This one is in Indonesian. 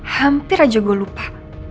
hampir aja gue lupa